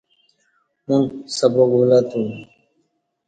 اوں سباق ولہ توم۔